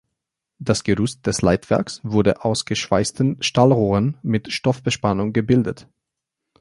Das Gerüst des Leitwerks wurde aus geschweißten Stahlrohren mit Stoffbespannung gebildet.